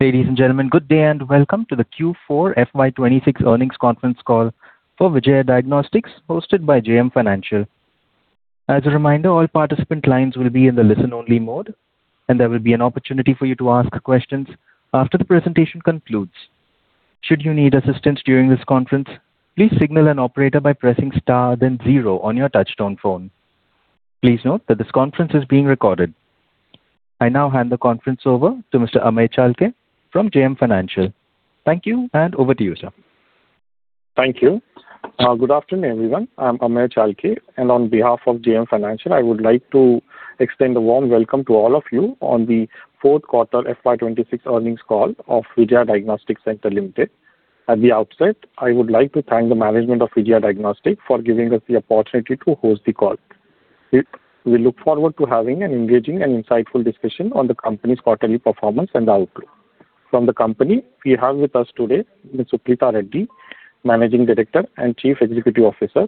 Ladies and gentlemen, good day, welcome to the Q4 FY 2026 earnings conference call for Vijaya Diagnostic hosted by JM Financial. As a reminder, all participant lines will be in the listen-only mode; there will be an opportunity for you to ask questions after the presentation concludes. Should you need assistance during this conference, please signal an operator by pressing star zero on your touchtone phone. Please note that this conference is being recorded. I now hand the conference over to Mr. Amey Chalke from JM Financial. Thank you, and over to you, sir. Thank you. Good afternoon, everyone. I'm Amey Chalke, and on behalf of JM Financial, I would like to extend a warm welcome to all of you on the fourth quarter FY 2026 earnings call of Vijaya Diagnostic Centre Limited. At the outset, I would like to thank the management of Vijaya Diagnostic for giving us the opportunity to host the call. We look forward to having an engaging and insightful discussion on the company's quarterly performance and outlook. From the company, we have with us today Ms. Suprita Reddy, Managing Director and Chief Executive Officer,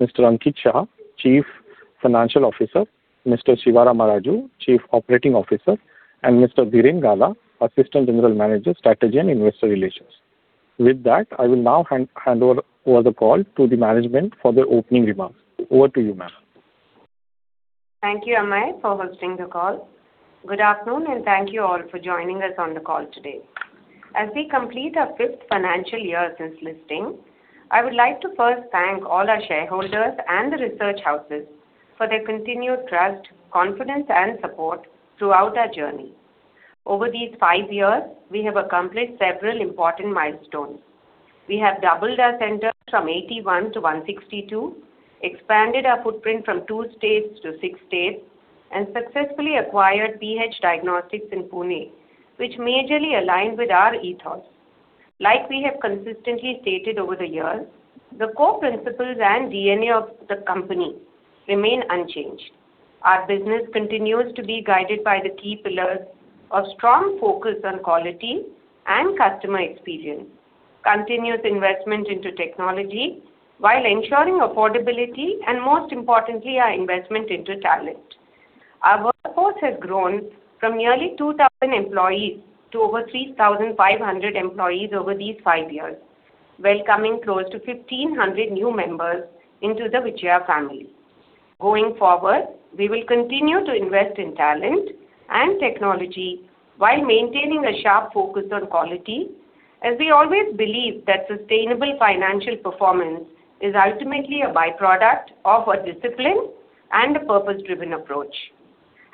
Mr. Ankit Shah, Chief Financial Officer, Mr. Siva Rama Raju, Chief Operating Officer, and Mr. Dhiren Gala, Assistant General Manager, Strategy and Investor Relations. With that, I will now hand over the call to the management for their opening remarks. Over to you, ma'am. Thank you, Amey, for hosting the call. Good afternoon, thank you all for joining us on the call today. As we complete our fifth financial year since listing, I would like to first thank all our shareholders and the research houses for their continued trust, confidence, and support throughout our journey. Over these five years, we have accomplished several important milestones. We have doubled our centers from 81 to 162, expanded our footprint from two states to six states, and successfully acquired PH Diagnostic Centre in Pune, which majorly aligns with our ethos. Like we have consistently stated over the years, the core principles and DNA of the company remain unchanged. Our business continues to be guided by the key pillars of strong focus on quality and customer experience, continuous investment into technology while ensuring affordability, and most importantly, our investment into talent. Our workforce has grown from nearly 2,000 employees to over 3,500 employees over these five years, welcoming close to 1,500 new members into the Vijaya family. Going forward, we will continue to invest in talent and technology while maintaining a sharp focus on quality, as we always believe that sustainable financial performance is ultimately a byproduct of a discipline and a purpose-driven approach.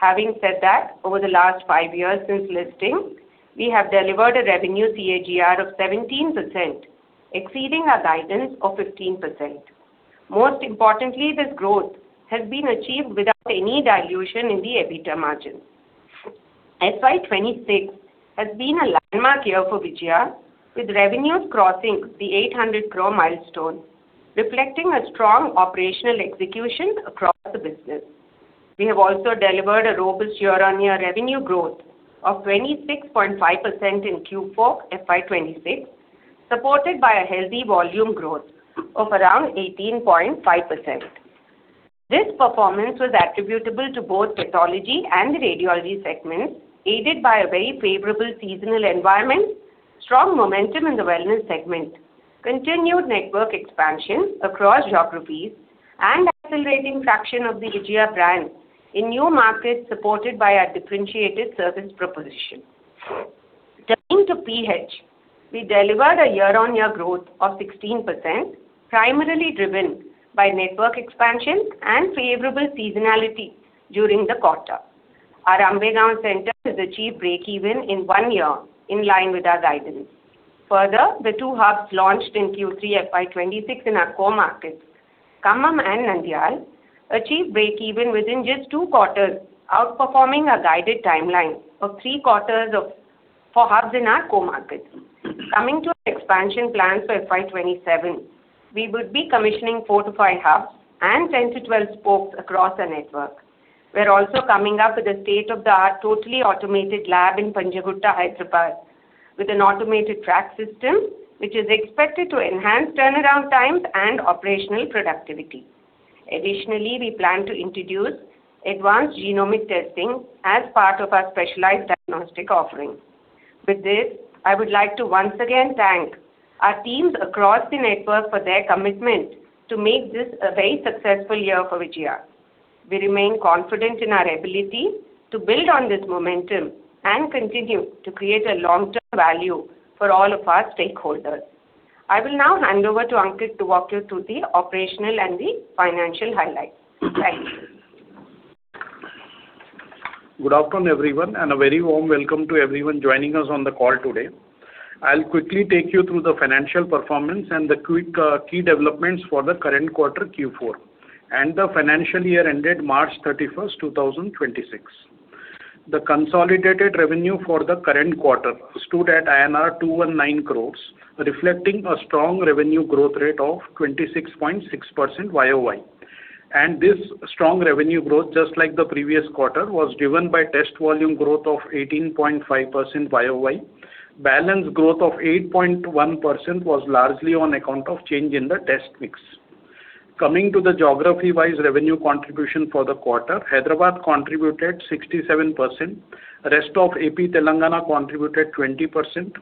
Having said that, over the last five years since listing, we have delivered a revenue CAGR of 17%, exceeding our guidance of 15%. Most importantly, this growth has been achieved without any dilution in the EBITDA margin. FY 2026 has been a landmark year for Vijaya, with revenues crossing the 800 crore milestone, reflecting a strong operational execution across the business. We have also delivered a robust year-on-year revenue growth of 26.5% in Q4 FY 2026, supported by a healthy volume growth of around 18.5%. This performance was attributable to both pathology and the radiology segments, aided by a very favorable seasonal environment, strong momentum in the wellness segment, continued network expansion across geographies, and accelerating traction of the Vijaya brand in new markets, supported by our differentiated service proposition. Turning to PH, we delivered a year-on-year growth of 16%, primarily driven by network expansion and favorable seasonality during the quarter. Our Ambegaon center has achieved break-even in one year, in line with our guidance. Further, the two hubs launched in Q3 FY 2026 in our core markets, Khammam and Nandyal, achieved break-even within just two quarters, outperforming our guided timeline of three quarters for hubs in our core markets. Coming to our expansion plans for FY 2027, we would be commissioning four to five hubs and 10-12 spokes across our network. We're also coming up with a state-of-the-art, totally automated lab in Panjagutta, Hyderabad, with an automated track system, which is expected to enhance turnaround times and operational productivity. Additionally, we plan to introduce advanced genomic testing as part of our specialized diagnostic offering. With this, I would like to once again thank our teams across the network for their commitment to make this a very successful year for Vijaya. We remain confident in our ability to build on this momentum and continue to create a long-term value for all of our stakeholders. I will now hand over to Ankit to walk you through the operational and the financial highlights. Thank you. Good afternoon, everyone, and a very warm welcome to everyone joining us on the call today. I'll quickly take you through the financial performance and the quick, key developments for the current quarter, Q4, and the financial year ended March 31, 2026. The consolidated revenue for the current quarter stood at INR 219 crores, reflecting a strong revenue growth rate of 26.6% YoY. This strong revenue growth, just like the previous quarter, was driven by test volume growth of 18.5% YoY. Balance growth of 8.1% was largely on account of change in the test mix. Coming to the geography-wise revenue contribution for the quarter, Hyderabad contributed 67%, rest of AP Telangana contributed 20%,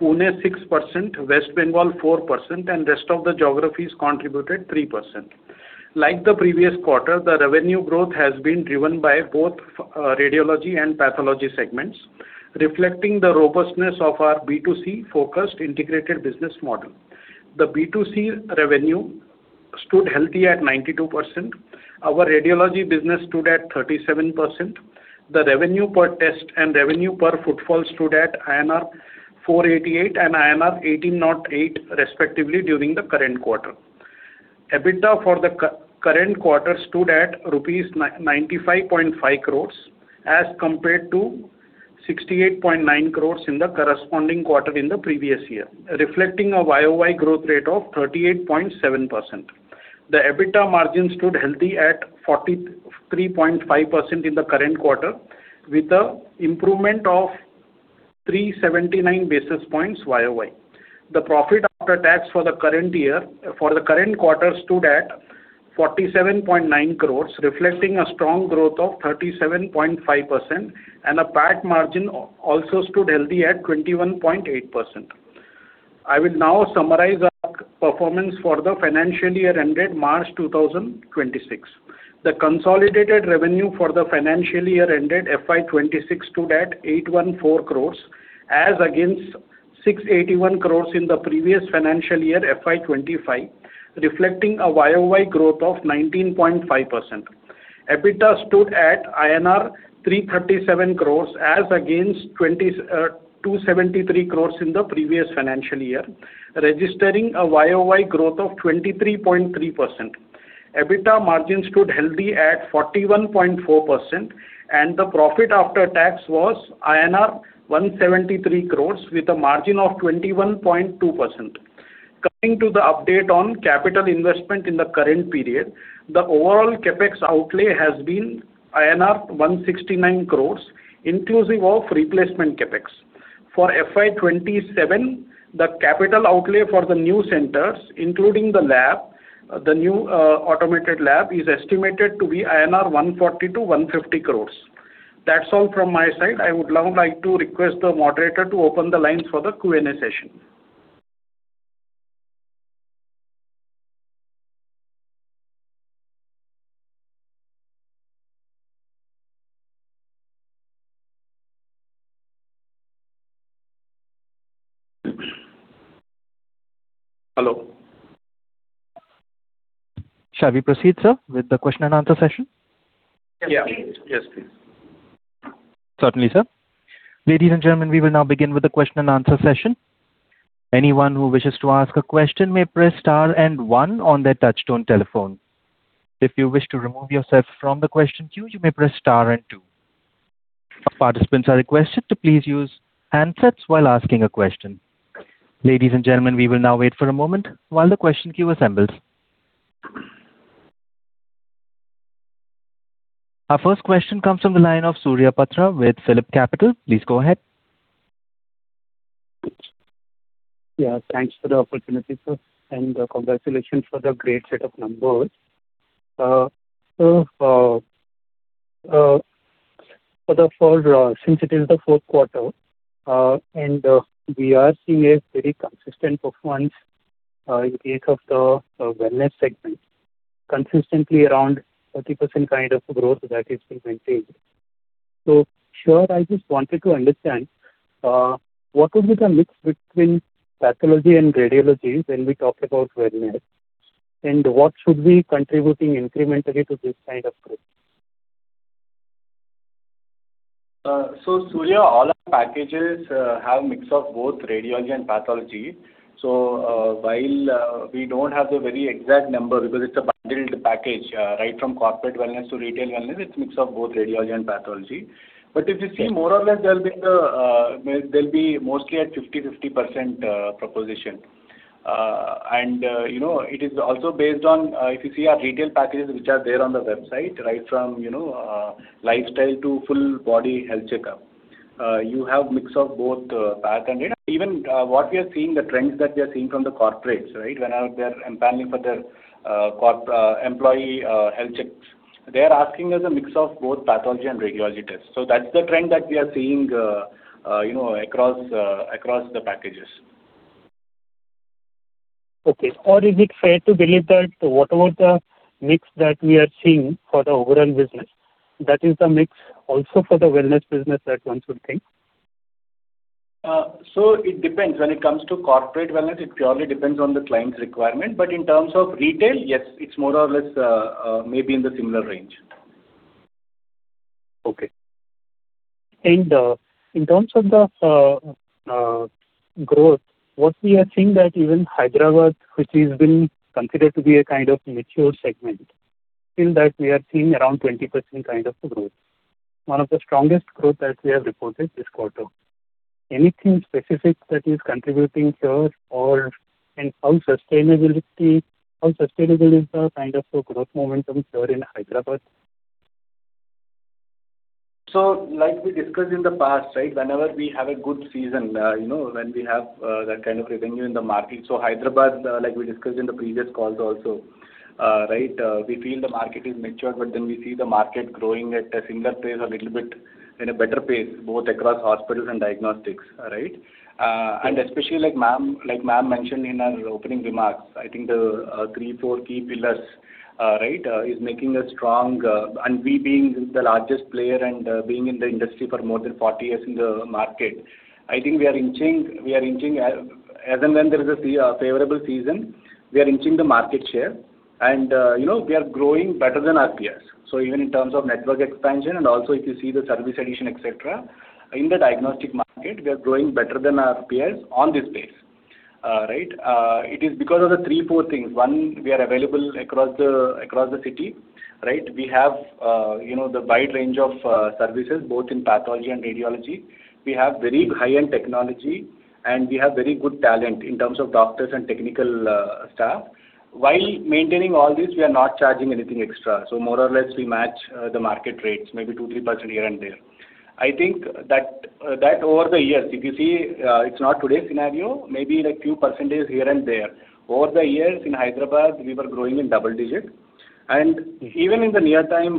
Pune 6%, West Bengal 4%, and rest of the geographies contributed 3%. Like the previous quarter, the revenue growth has been driven by both radiology and pathology segments, reflecting the robustness of our B2C-focused integrated business model. The B2C revenue stood healthy at 92%. Our radiology business stood at 37%. The revenue per test and revenue per footfall stood at INR 488 and INR 1,808, respectively, during the current quarter. EBITDA for the current quarter stood at rupees 95.5 crores as compared to 68.9 crores in the corresponding quarter in the previous year, reflecting a YoY growth rate of 38.7%. The EBITDA margin stood healthy at 43.5% in the current quarter, with a improvement of 379 basis points YoY. The profit after tax for the current quarter stood at 47.9 crores, reflecting a strong growth of 37.5%. A PAT margin also stood healthy at 21.8%. I will now summarize our performance for the financial year ended March 2026. The consolidated revenue for the financial year ended FY 2026 stood at 814 crores as against 681 crores in the previous financial year, FY 2025, reflecting a YoY growth of 19.5%. EBITDA stood at INR 337 crores as against 273 crores in the previous financial year, registering a YoY growth of 23.3%. EBITDA margin stood healthy at 41.4%. The profit after tax was INR 173 crores with a margin of 21.2%. Coming to the update on capital investment in the current period, the overall CapEx outlay has been INR 169 crores, inclusive of replacement CapEx. For FY 2027, the capital outlay for the new centers, including the lab, the new automated lab, is estimated to be 140-150 crores INR. That's all from my side. I would now like to request the moderator to open the lines for the Q&A session. Hello. Shall we proceed, sir, with the question and answer session? Yeah. Yes, please. Certainly, sir. Ladies and gentlemen, we will now begin with the question and answer session. Our first question comes from the line of Surya Patra with PhillipCapital. Please go ahead. Thanks for the opportunity, sir, congratulations for the great set of numbers. For the fall, since it is the fourth quarter, we are seeing a very consistent performance in case of the wellness segment, consistently around 30% kind of growth that is being maintained. Sure, I just wanted to understand what would be the mix between pathology and radiology when we talk about wellness, and what should be contributing incrementally to this kind of growth? Surya, all our packages have mix of both radiology and pathology. While we don't have the very exact number because it's a bundled package, right from corporate wellness to retail wellness, it's mix of both radiology and pathology. If you see more or less there'll be the, there'll be mostly a 50/50% proposition. You know, it is also based on, if you see our retail packages which are there on the website, right from, you know, lifestyle to full body health checkup, you have mix of both path and rad. Even what we are seeing, the trends that we are seeing from the corporates, right? Whenever they're planning for their employee health checks, they are asking us a mix of both pathology and radiology tests. That's the trend that we are seeing, you know, across the packages. Okay. Is it fair to believe that whatever the mix that we are seeing for the overall business, that is the mix also for the wellness business that one should think? It depends. When it comes to corporate wellness, it purely depends on the client's requirement. In terms of retail, yes, it's more or less, maybe in the similar range. Okay. In terms of the growth, what we are seeing that even Hyderabad, which is being considered to be a kind of mature segment, still that we are seeing around 20% kind of growth, one of the strongest growth that we have reported this quarter. Anything specific that is contributing here? How sustainable is the kind of growth momentum here in Hyderabad? Like we discussed in the past, right? Whenever we have a good season, you know, when we have that kind of revenue in the market. Hyderabad, like we discussed in the previous calls, also, right, we feel the market is matured, but then we see the market growing at a single pace a little bit in a better pace, both across hospitals and diagnostics, right? Yes. Especially like ma'am mentioned in our opening remarks, I think the three, four key pillars, right, is making us strong. We being the largest player and, being in the industry for more than 40 years in the market, I think we are inching as and when there is a favorable season, we are inching the market share. You know, we are growing better than our peers. Even in terms of network expansion and also if you see the service addition, et cetera, in the diagnostic market, we are growing better than our peers on this base. Right? It is because of the three, four things. One, we are available across the city, right? We have, you know, the wide range of services both in pathology and radiology. We have very high-end technology, and we have very good talent in terms of doctors and technical staff. While maintaining all this, we are not charging anything extra. More or less we match the market rates maybe 2%-3% here and there. I think that over the years, if you see, it's not today's scenario, maybe like few percentages here and there. Over the years in Hyderabad, we were growing in double-digit. Even in the near time,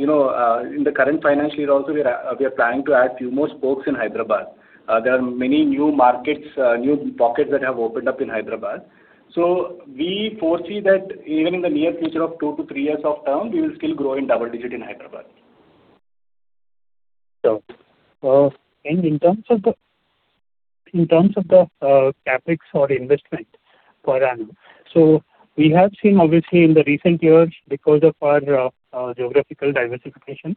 you know, in the current financial year also we are planning to add few more spokes in Hyderabad. There are many new markets, new pockets that have opened up in Hyderabad. We foresee that even in the near future of two to three years of term, we will still grow in double-digit in Hyderabad. And in terms of the CapEx or investment per annum. We have seen obviously in the recent years because of our geographical diversification,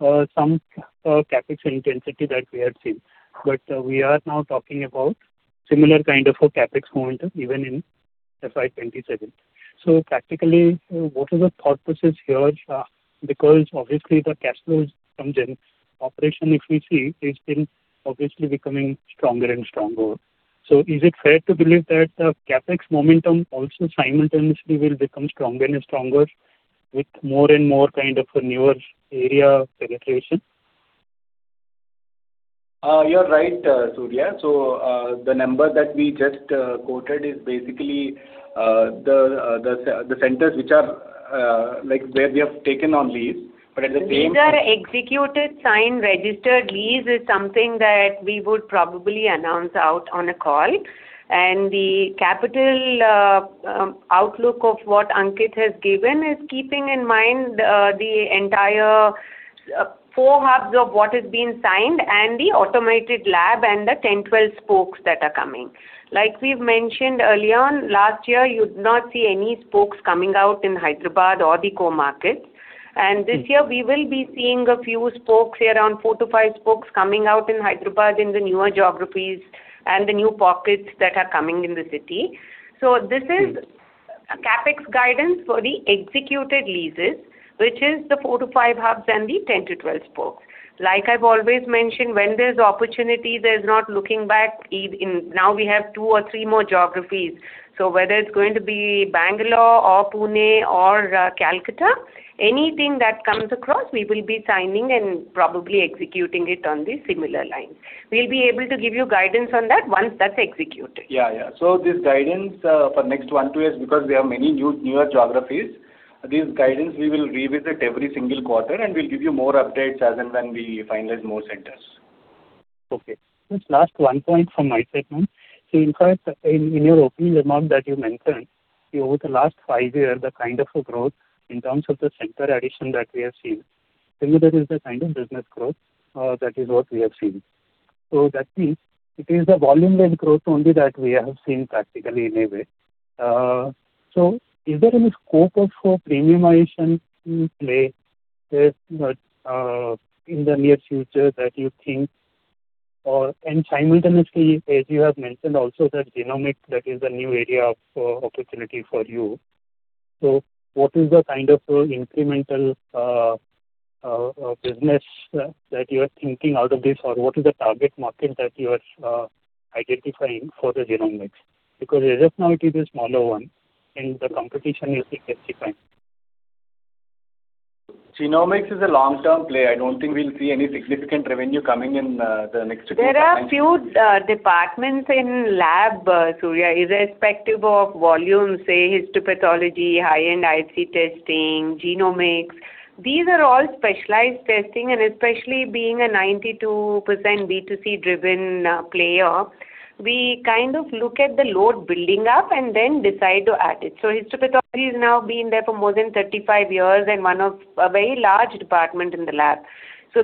some CapEx intensity that we have seen. We are now talking about similar kind of a CapEx momentum even in FY 2027. Practically, what are the thought process here? Because obviously the cash flows from the operation, if we see, it's been obviously becoming stronger and stronger. Is it fair to believe that the CapEx momentum also simultaneously will become stronger and stronger with more and more kind of a newer area penetration? You are right, Surya. The number that we just quoted is basically the centers, which are like where we have taken on lease. These are executed, signed, registered lease is something that we would probably announce out on a call. The capital outlook of what Ankit has given is keeping in mind the entire four hubs of what is being signed and the automated lab, and the 10, 12 spokes that are coming. Like we've mentioned earlier on, last year you'd not see any spokes coming out in Hyderabad or the co-market. This year we will be seeing a few spokes here, around four to five spokes coming out in Hyderabad in the newer geographies and the new pockets that are coming in the city. CapEx guidance for the executed leases, which is the four to five hubs and the 10 to 12 spokes. Like I've always mentioned, when there's opportunity, there's not looking back. Now we have two or three more geographies. Whether it's going to be Bangalore or Pune or Calcutta, anything that comes across, we will be signing and probably executing it on the similar lines. We'll be able to give you guidance on that once that's executed. Yeah. This guidance for next one, two years, because we have many newer geographies, this guidance. We will revisit every single quarter, and we will give you more updates as and when we finalize more centers. Okay. Just last one point from my side, ma'am. In fact, in your opening remark that you mentioned, over the last five years, the kind of a growth in terms of the center addition that we have seen, tell me that is the kind of business growth that is what we have seen. That means it is the volume-led growth only that we have seen practically in a way. Is there any scope of a premiumization in play there in the near future that you think? Simultaneously, as you have mentioned also that genomics, that is a new area of opportunity for you. What is the kind of incremental business that you are thinking out of this? What is the target market that you are identifying for the genomics? As of now, it is a smaller one, and the competition is intensifying. Genomics is a long-term play. I don't think we'll see any significant revenue coming in, the next two, three financial years. There are few departments in lab, Surya, irrespective of volume, say histopathology, high-end IHC testing, genomics. These are all specialized testing, and especially being a 92% B2C-driven player, we kind of look at the load building up and then decide to add it. Histopathology has now been there for more than 35 years and one of a very large department in the lab.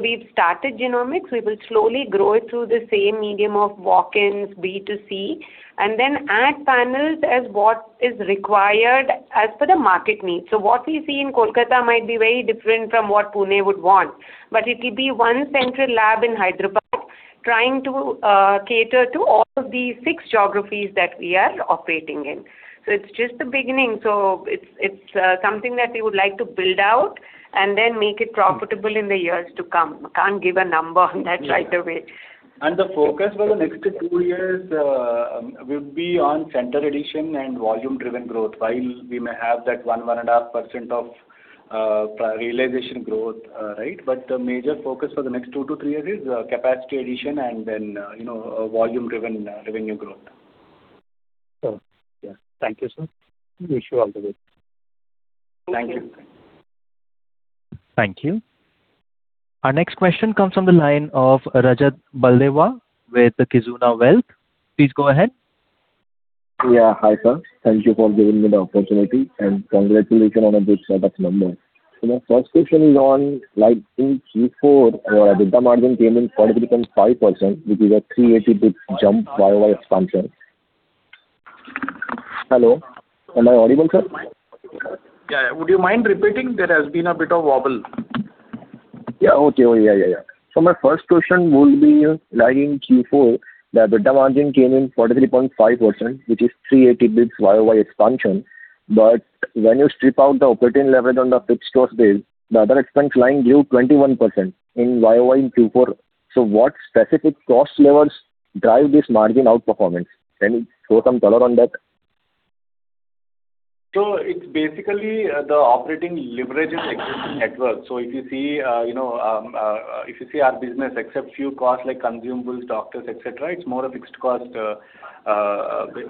We've started genomics. We will slowly grow it through the same medium of walk-ins, B2C, and then add panels as what is required, as per the market needs. What we see in Kolkata might be very different from what Pune would want. It will be one central lab in Hyderabad trying to cater to all of these six geographies that we are operating in. It's just the beginning. It's something that we would like to build out and then make it profitable in the years to come. Can't give a number on that right away. The focus for the next two years will be on center addition and volume-driven growth. While we may have that 1-1.5% of realization growth, right? The major focus for the next two to three years is capacity addition and then, you know, volume-driven revenue growth. Sure. Yeah. Thank you, sir. Wish you all the best. Thank you. Thank you. Our next question comes from the line of Rajat Baldewa with the Kizuna Wealth. Please go ahead. Yeah. Hi, sir. Thank you for giving me the opportunity, and congratulations on a good set of numbers. My first question is on like in Q4, where EBITDA margin came in 43.5%, which is a 380 basis points jump YoY expansion. Hello, am I audible, sir? Yeah. Would you mind repeating? There has been a bit of wobble. Yeah. Okay. Yeah, yeah. My first question would be like in Q4, the EBITDA margin came in 43.5%, which is 380 basis points year-over-year expansion. When you strip out the operating leverage on the fixed cost base, the other expense line grew 21% in year-over-year in Q4. What specific cost levers drive this margin outperformance? Can you throw some color on that? It's basically the operating leverage in existing network. If you see, you know, if you see our business except few costs like consumables, doctors, et cetera, it's more a fixed cost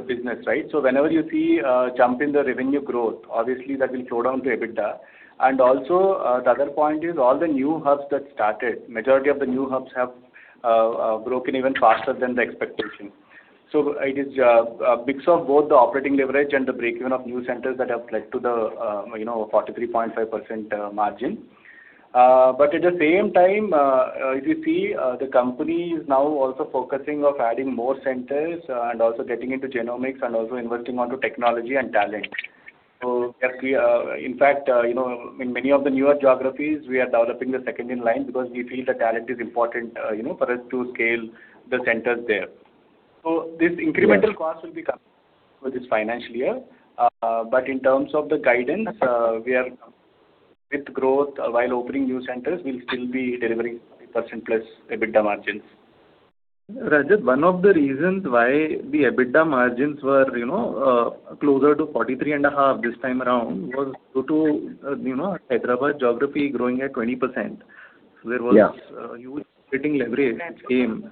business, right? Whenever you see a jump in the revenue growth, obviously, that will flow down to EBITDA. Also, the other point is all the new hubs that started, majority of the new hubs have broken even faster than the expectation. It is a mix of both the operating leverage and the break-even of new centers that have led to the, you know, 43.5% margin. At the same time, if you see, the company is now also focusing of adding more centers and also getting into genomics and also investing onto technology and talent. We, in fact, you know, in many of the newer geographies, we are developing the second in line because we feel the talent is important, you know, for us to scale the centers there. Cost will be coming for this financial year. In terms of the guidance, we are with growth while opening new centers, we'll still be delivering 40%+ EBITDA margins. Rajat, one of the reasons why the EBITDA margins were, you know, closer to 43.5% this time around was due to, you know, Hyderabad geography growing at 20%. Yeah. There was a huge operating leverage which came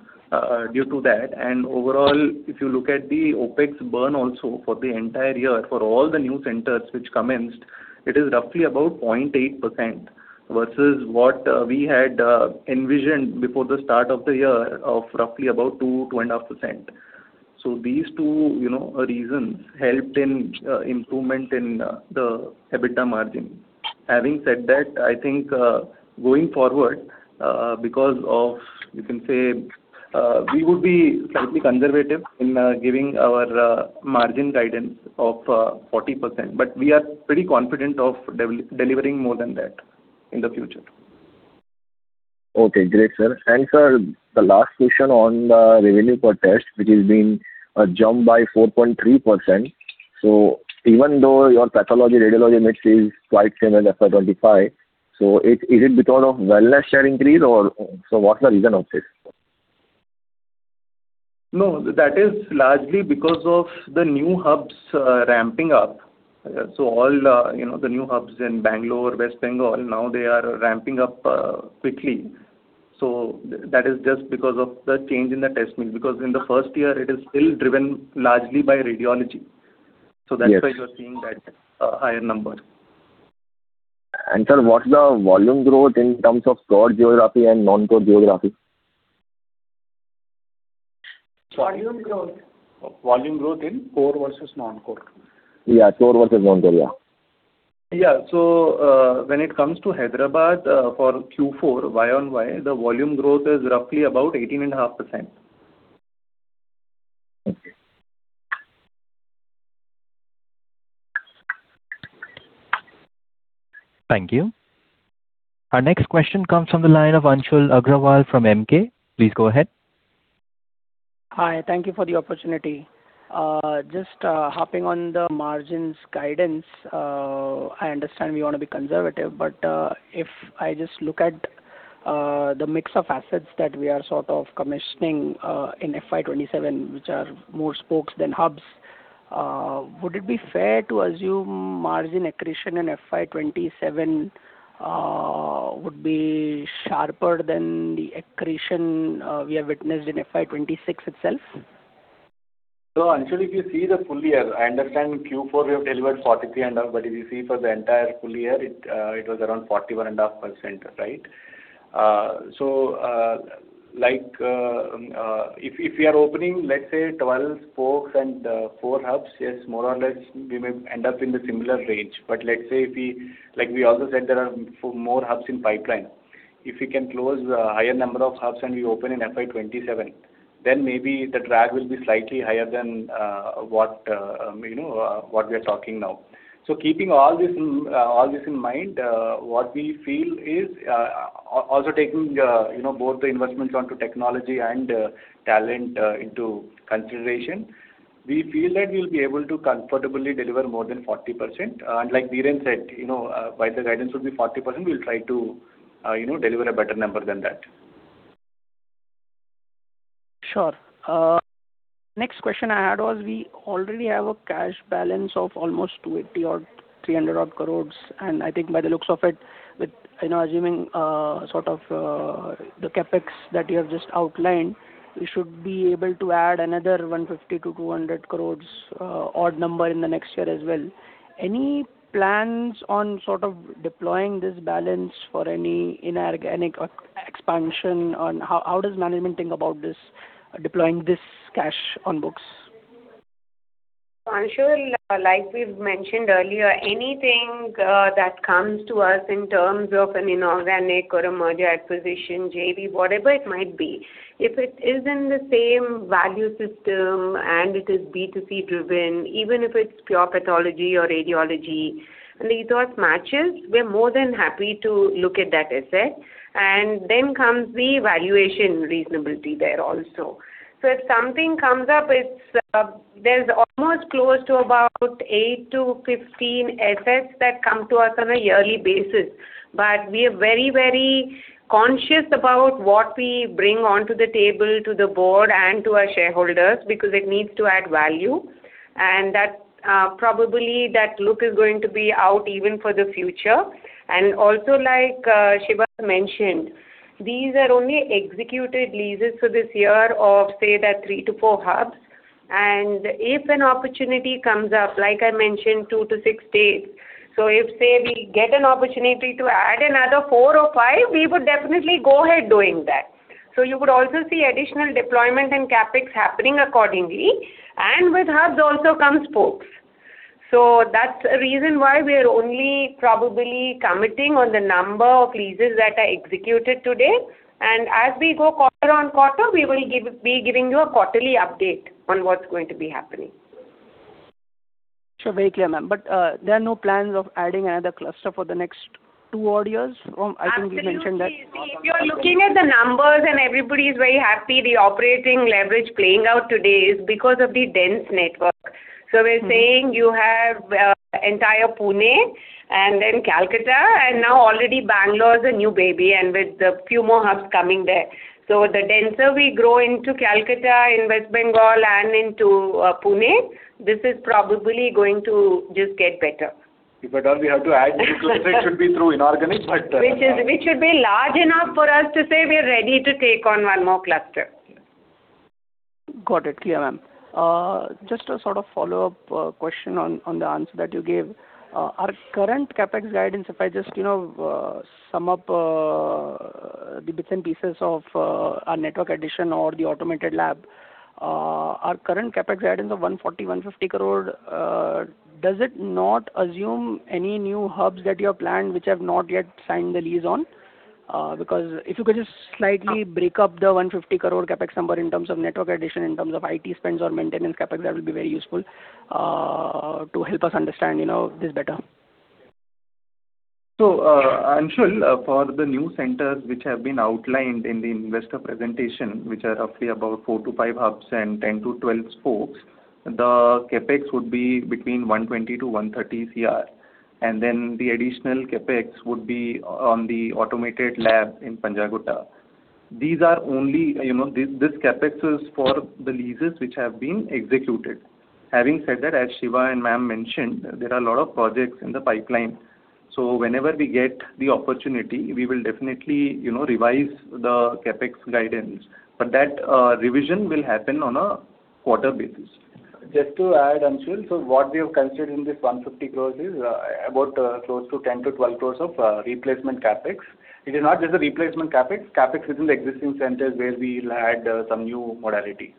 due to that. Overall, if you look at the OpEx burn also for the entire year, for all the new centers which commenced, it is roughly about 0.8% versus what we had envisioned before the start of the year, of roughly about 2%-2.5%. These two, you know, reasons helped in improvement in the EBITDA margin. Having said that, I think, going forward, because of, you can say we would be slightly conservative in giving our margin guidance of 40%, we are pretty confident of delivering more than that in the future. Okay. Great, sir. Sir, the last question on the revenue per test, which has been jumped by 4.3%. Even though your pathology radiology mix is quite same as FY 2025, is it because of wellness share increase or what's the reason of this? That is largely because of the new hubs ramping up. All, you know, the new hubs in Bangalore, West Bengal, now they are ramping up quickly. That is just because of the change in the test mix. In the first year, it is still driven largely by radiology. Yes. That's why you are seeing that higher number. Sir, what's the volume growth in terms of core geography and non-core geography? Volume growth. Volume growth in core versus non-core. Yeah, core versus non-core. Yeah. Yeah. When it comes to Hyderabad, for Q4 YoY, the volume growth is roughly about 18.5%. Okay. Thank you. Our next question comes from the line of Anshul Agrawal from Emkay. Please go ahead. Hi. Thank you for the opportunity. Just harping on the margins guidance, I understand we wanna be conservative, but if I just look at the mix of assets that we are sort of commissioning in FY 2027, which are more spokes than hubs, would it be fair to assume margin accretion in FY 2027 would be sharper than the accretion we have witnessed in FY 2026 itself? Anshul, if you see the full year, I understand in Q4 we have delivered 43.5%. If you see for the entire full year, it was around 41.5%, right? Like, if we are opening, let's say 12 spokes and four hubs, yes, more or less, we may end up in the similar range. Let's say, like we also said, there are more hubs in pipeline. If we can close a higher number of hubs than we open in FY 2027, then maybe the drag will be slightly higher than, what, you know, what we are talking now. Keeping all this in mind, what we feel is also taking, you know, both the investments onto technology and talent into consideration. We feel that we'll be able to comfortably deliver more than 40%. Like Dhiren said, you know, while the guidance will be 40%, we'll try to, you know, deliver a better number than that. Sure. Next question I had was we already have a cash balance of almost 200 crore or 300 crore odd. I think by the looks of it, with, you know, assuming, sort of, the CapEx that you have just outlined, you should be able to add another 150 crore to 200 crore, odd number in the next year as well. Any plans on sort of deploying this balance for any inorganic expansion? How does management think about this, deploying this cash on books? Anshul, like we've mentioned earlier, anything that comes to us in terms of an inorganic or a merger acquisition, JV, whatever it might be, if it is in the same value system and it is B2C-driven, even if it's pure pathology or radiology, and the ethos matches, we're more than happy to look at that asset. Then comes the valuation reasonability, there also. There's almost close to about eight to 15 assets that come to us on a yearly basis. We are very, very conscious about what we bring onto the table to the board and to our shareholders, because it needs to add value. That probably that look is going to be out even for the future. Also, like, Siva mentioned, these are only executed leases for this year, of, say, the three to four hubs. If an opportunity comes up, like I mentioned, two to six states. If, say, we get an opportunity to add another four or five, we would definitely go ahead doing that. You would also see additional deployment and CapEx happening accordingly. With hubs also comes spokes. That's a reason why we are only probably committing on the number of leases that are executed today. As we go quarter on quarter, we will be giving you a quarterly update on what's going to be happening. Sure. Very clear, ma'am. There are no plans of adding another cluster for the next two odd years? Absolutely. See, if you're looking at the numbers and everybody is very happy, the operating leverage playing out today is because of the dense network. We're saying you have entire Pune and then Kolkata, and now already Bangalore is a new baby, and with a few more hubs coming there. The denser we grow into Kolkata in West Bengal and into, Pune, this is probably going to just get better. If at all, we have to add, it should be through inorganic. Which should be large enough for us to say we're ready to take on one more cluster. Got it. Clear, ma'am. Just a sort of follow-up question on the answer that you gave. Our current CapEx guidance, if I just, you know, sum up, the bits and pieces of our network addition or the automated lab, our current CapEx guidance of 140 crore-150 crore, does it not assume any new hubs that you have planned which have not yet signed the lease on? Because if you could just slightly break up the 150 crore CapEx number in terms of network addition, in terms of IT spends or maintenance CapEx, that will be very useful, to help us understand, you know, this better. Anshul, for the new centers which have been outlined in the investor presentation, which are roughly about four to five hubs and 10 to 12 spokes, the CapEx would be between 120 crore-130 crore. The additional CapEx would be on the automated lab in Panjagutta. These are only, you know, this CapEx is for the leases which have been executed. Having said that, as Siva and ma'am mentioned, there are a lot of projects in the pipeline. Whenever we get the opportunity, we will definitely, you know, revise the CapEx guidance. That revision will happen on a quarter basis. Just to add, Anshul. What we have considered in this 150 crores is about close to 10 crore-12 crore of replacement CapEx. It is not just the replacement CapEx. CapEx is in the existing centers where we'll add some new modality.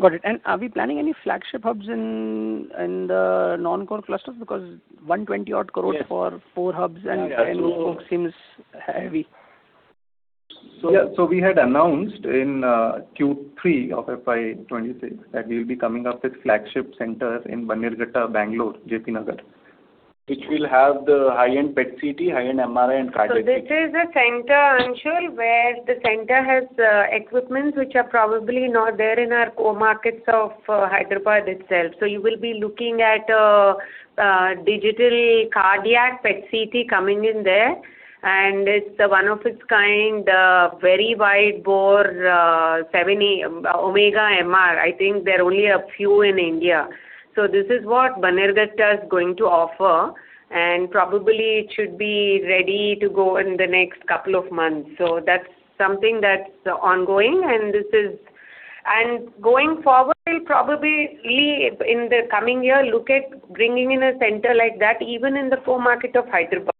Got it. Are we planning any flagship hubs in the non-core clusters? Because 120 odd crores for four hubs and- Yeah. 10 new spokes seems heavy. Yeah. We had announced in Q3 of FY 2026 that we'll be coming up with flagship centers in Bannerghatta, Bangalore, JP Nagar. Which will have the high-end PET CT, high-end MRI. This is a center, Anshul, where the center has equipments which are probably not there in our core markets of Hyderabad itself. You will be looking at digital cardiac PET CT coming in there, and it's one of its kind, very wide bore, 70 uMR Omega. I think there are only a few in India. This is what Bannerghatta is going to offer, and probably it should be ready to go in the next couple of months. That's something that's ongoing. Going forward, we'll probably, in the coming year, look at bringing in a center like that even in the core market of Hyderabad.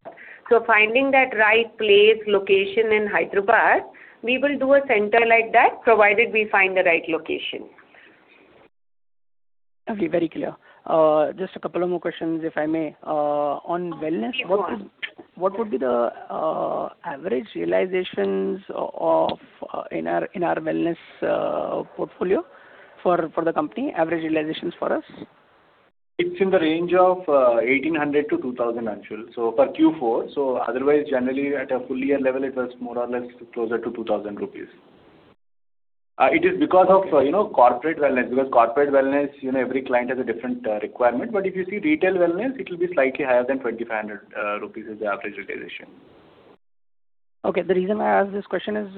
Finding that right place, location in Hyderabad, we will do a center like that, provided we find the right location. Okay. Very clear. Just a couple of more questions, if I may. On wellness. Of course. What would be the average realizations of in our wellness portfolio for the company? Average realizations for us. It's in the range of 1,800-2,000, actually. For Q4. Otherwise, generally at a full year level, it was more or less closer to 2,000 rupees. It is because of, you know, corporate wellness. Corporate wellness, you know, every client has a different requirement. If you see retail wellness, it will be slightly higher than 2,500 rupees is the average realization. Okay. The reason I ask this question is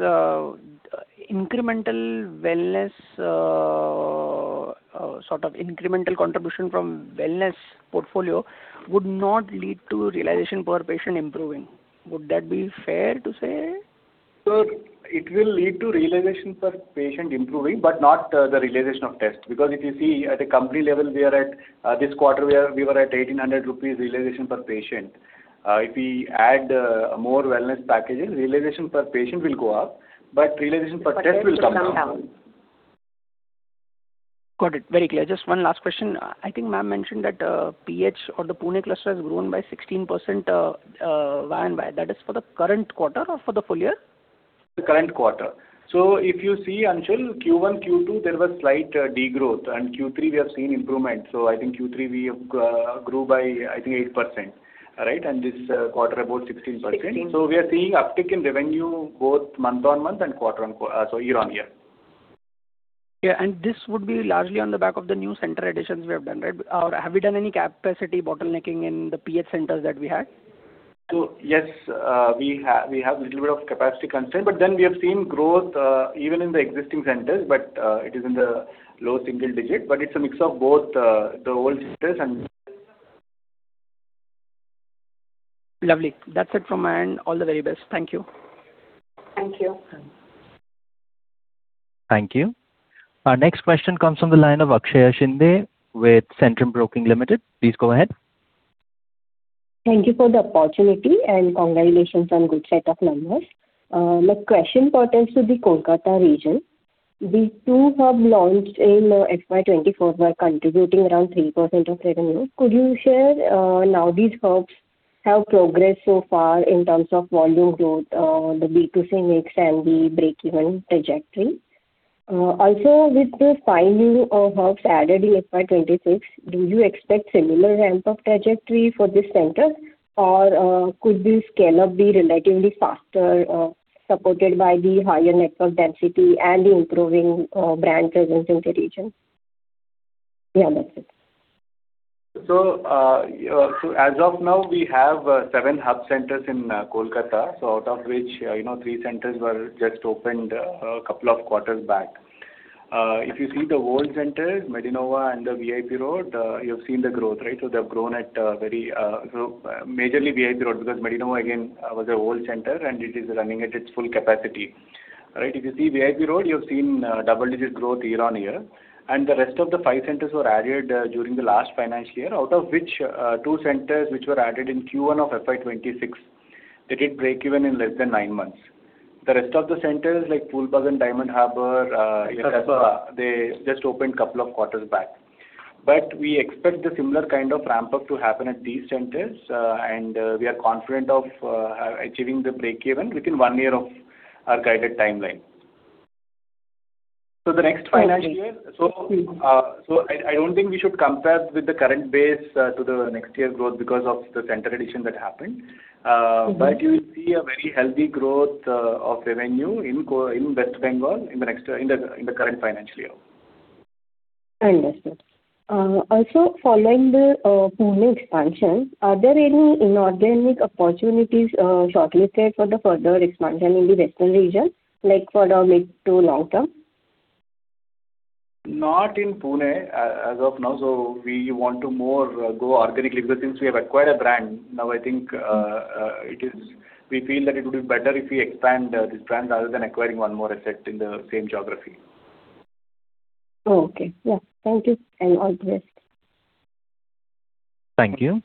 incremental wellness, sort of incremental contribution from wellness portfolio, would not lead to realization per patient improving. Would that be fair to say? It will lead to realization per patient improving, but not the realization of test. If you see at a company level, we were at 1,800 rupees realization per patient. If we add more wellness packages, realization per patient will go up, but realization per test will come down. Got it. Very clear. Just one last question. I think Ma'am mentioned that PH or the Pune cluster has grown by 16% year-on-year. That is for the current quarter or for the full year? The current quarter. If you see Anshul, Q1, Q2 there was slight degrowth, and Q3 we have seen improvement. I think Q3 we have grew by I think 8%. Right? This quarter, about 16%. We are seeing uptick in revenue both month-on-month and year-on-year. Yeah. This would be largely on the back of the new center additions we have done, right? Have we done any capacity bottlenecking in the PH centers that we had? Yes, we have little bit of capacity constraint, but then we have seen growth even in the existing centers. It is in the low single digit. It's a mix of both, the old centers and Lovely. That's it from my end. All the very best. Thank you. Thank you. Thank you. Our next question comes from the line of Akshaya Shinde with Centrum Broking Limited. Please go ahead. Thank you for the opportunity and congratulations on good set of numbers. My question pertains to the Kolkata region. The two hubs launched in FY 2024 were contributing around 3% of revenue. Could you share, now these hubs have progressed so far in terms of volume growth, the B2C mix and the break-even trajectory? Also, with the five new hubs added in FY 2026, do you expect similar ramp-up trajectory for these centers or, could the scale-up be relatively faster, supported by the higher network density and the improving brand presence in the region? Yeah, that's it. As of now, we have seven hub centers in Kolkata. Out of which, you know, three centers were just opened a couple of quarters back. If you see the old centers, Medinova and the VIP Road, you have seen the growth, right? They have grown at very. Majorly VIP Road, because Medinova again, was an old center and it is running at its full capacity. Right? If you see VIP Road, you have seen double-digit growth year-on-year. The rest of the five centers were added during the last financial year, out of which two centers which were added in Q1 of FY 2026, they did break-even in less than nine months. The rest of the centers like Phoolbagan and Diamond Harbour. Yes, sir. They just opened a couple of quarters back. We expect the similar kind of ramp-up to happen at these centers, and we are confident of achieving the break-even within one year of our guided timeline. The next financial year- Thank you. I don't think we should compare with the current base to the next year growth because of the center addition that happened. You will see a very healthy growth of revenue in West Bengal in the current financial year. Understood. Also, following the Pune expansion, are there any inorganic opportunities shortlisted for the further expansion in the western region, like for the mid to long term? Not in Pune as of now. We want to more go organically because, since we have acquired a brand, now I think we feel that it would be better if we expand this brand rather than acquiring one more asset in the same geography. Okay. Yeah. Thank you and all the best. Thank you.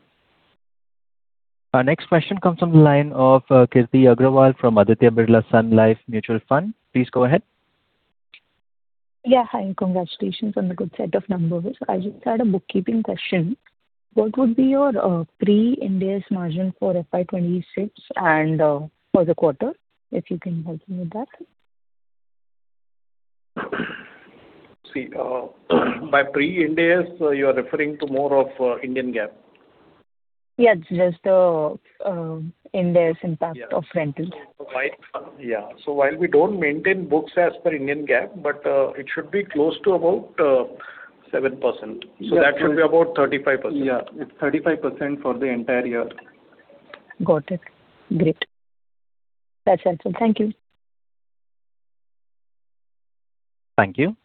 Our next question comes from the line of Kirti Agrawal from Aditya Birla Sun Life Mutual Fund. Please go ahead. Yeah. Hi, congratulations on the good set of numbers. I just had a bookkeeping question. What would be your pre-Ind AS margin for FY 2026 and for the quarter, if you can help me with that? See, by pre-Ind AS, you are referring to more of Indian GAAP. Yeah, it's just Ind AS impact of rentals. Yes. While we don't maintain books as per Indian GAAP, but it should be close to about 7%. That should be about 35%. Yeah. It's 35% for the entire year. Got it. Great. That's helpful. Thank you. Thank you.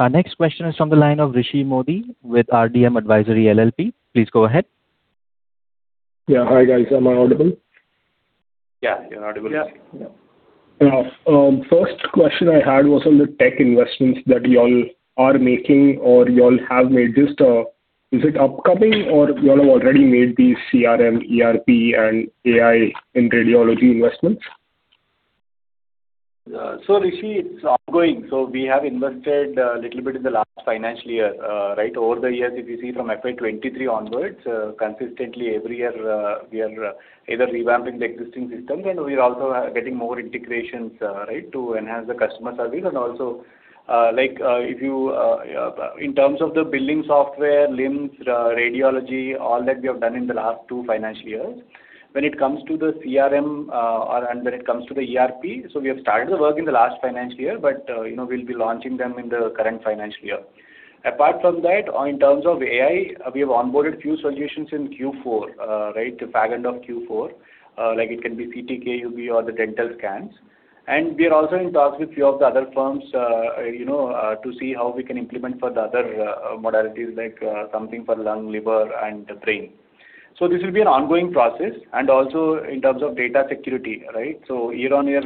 Our next question is from the line of Rishi Mody with RDM Advisory LLP. Please go ahead. Yeah. Hi, guys. Am I audible? Yeah, you're audible. Yeah. First question I had was on the tech investments that you all are making, or you all have made. Just, is it upcoming, or you all have already made the CRM, ERP and AI in radiology investments? Rishi, it's ongoing. We have invested little bit in the last financial year, right? Over the years, if you see from FY 2023 onwards, consistently every year, we are either revamping the existing systems, and we are also getting more integrations, right, to enhance the customer service, and also, like, in terms of the billing software, LIMS, radiology, all that we have done in the last two financial years. When it comes to the CRM, or when it comes to the ERP, we have started the work in the last financial year, but, you know, we'll be launching them in the current financial year. Apart from that, in terms of AI, we have onboarded few solutions in Q4, right? The back end of Q4. Like it can be CT KUB or the dental scans. We are also in talks with few of the other firms, you know, to see how we can implement for the other modalities like something for lung, liver and brain. This will be an ongoing process and also in terms of data security, right? Year-over-year,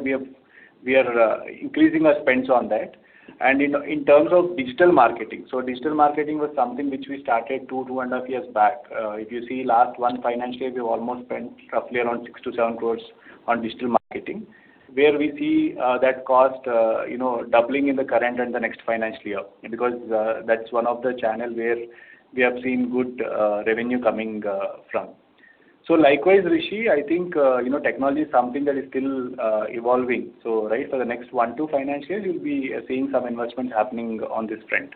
we are increasing our spends on that. In terms of digital marketing. Digital marketing was something which we started 2.5 back. If you see last one financial year, we almost spent roughly around 6 crores-7 crores on digital marketing, where we see that cost, you know, doubling in the current and the next financial year because that's one of the channel where we have seen good revenue coming from. Likewise, Rishi, I think, you know, technology is something that is still evolving. Right, for the next one, two financial years, you'll be seeing some investments happening on this front.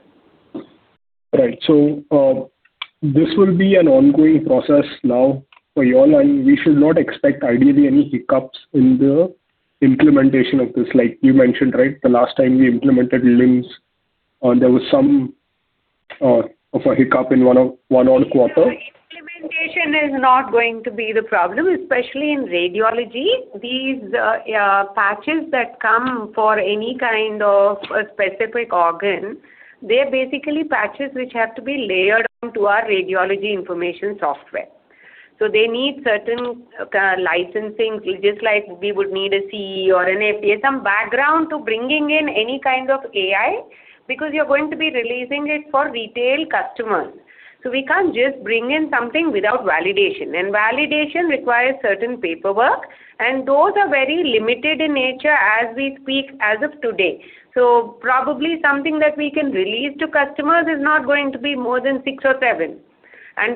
Right. This will be an ongoing process now for you all, and we should not expect ideally any hiccups in the implementation of this. Like you mentioned, right, the last time we implemented LIMS, there was some of a hiccup in one of one odd quarter. Implementation is not going to be the problem, especially in radiology. These patches that come for any kind of a specific organ, they're basically patches which have to be layered onto our radiology information software. They need certain licensing, just like we would need a CE or an FDA, some background to bringing in any kind of AI, because you're going to be releasing it for retail customers. We can't just bring in something without validation. Validation requires certain paperwork, and those are very limited in nature as we speak as of today. Probably something that we can release to customers is not going to be more than six or seven.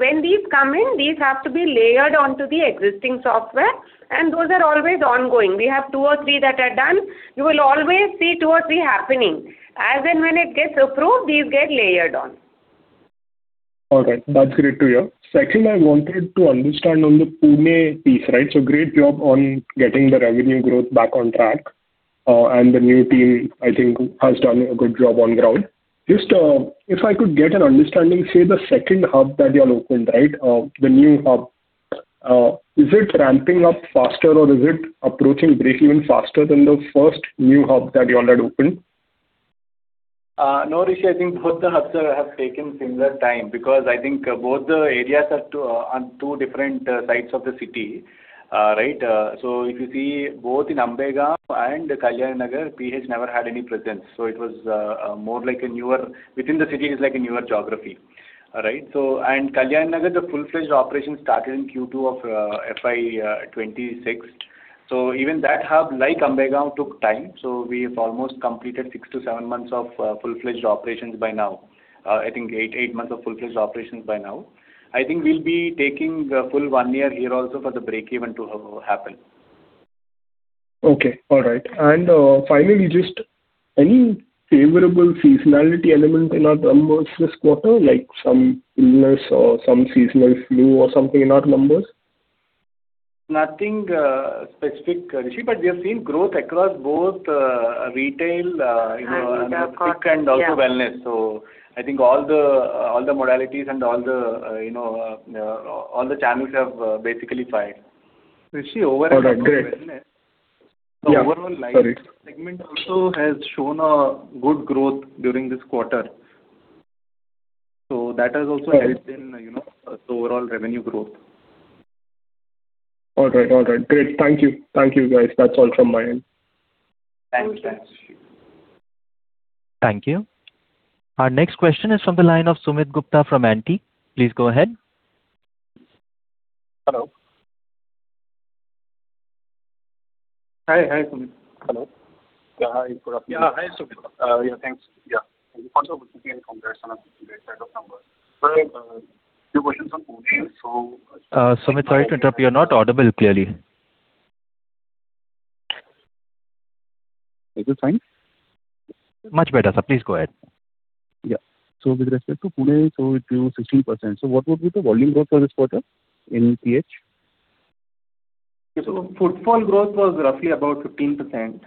When these come in, these have to be layered onto the existing software, and those are always ongoing. We have two or three that are done. You will always see two or three happening. As and when it gets approved, these get layered on. All right. That's great to hear. Second, I wanted to understand on the Pune piece, right? Great job on getting the revenue growth back on track. And the new team, I think, has done a good job on ground. Just, if I could get an understanding, say the second hub that you all opened, right, the new hub, is it ramping up faster, or is it approaching breakeven faster than the first new hub that you all had opened? No, Rishi, I think both the hubs have taken similar time because I think both the areas are on two different sides of the city. Right? If you see both in Ambegaon and Kalyan Nagar, PH never had any presence. It was more like a newer within the city, it's like a newer geography. Right? Kalyan Nagar, the full-fledged operation, started in Q2 of FY 2026. Even that hub, like Ambegaon, took time. We've almost completed six to seven months of full-fledged operations by now. I think eight months of full-fledged operations by now. I think we'll be taking the full one year here also for the break-even to happen. Okay. All right. Finally, just any favorable seasonality element in our numbers this quarter, like some illness or some seasonal flu or something in our numbers? Nothing specific, Rishi, but we have seen growth across both retail. And across- Quick and also wellness. I think all the modalities and all the, you know, all the channels have basically fired. Rishi, overall. All right, great. Wellness. Yeah. Sorry. The overall lifestyle segment also has shown a good growth during this quarter. That has also helped in, you know, the overall revenue growth. All right. Great. Thank you. Thank you, guys. That's all from my end. Thanks. Thanks. Thank you. Our next question is from the line of Sumit Gupta from Antique. Please go ahead. Hello. Hi, Sumit. Hello. Yeah. Hi, good afternoon. Yeah. Hi, Supri. Yeah, thanks. Yeah. Sumit, sorry to interrupt. You're not audible clearly. Is this fine? Much better, sir. Please go ahead. Yeah. With respect to Pune, it grew 16%. What would be the volume growth for this quarter in PH? Footfall growth was roughly about 15%